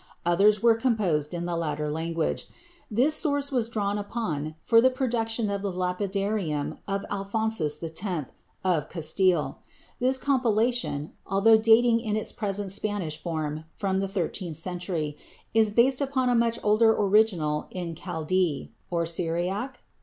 Others were composed in the latter language. This source was drawn upon for the production of the Lapidarium of Alfonso X, of Castile. This compilation, although dating in its present Spanish form from the thirteenth century, is based upon a much older original in "Chaldee" (Syriac?).